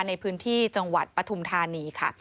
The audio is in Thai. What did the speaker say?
ในพื้นที่จังหวัดปฐุมธานีค่ะ